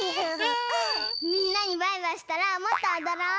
みんなにバイバイしたらもっとおどろう！